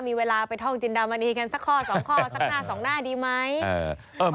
มีเวลาไปท่องจินดามณีกันสักข้อสองข้อสักหน้าสองหน้าดีไหม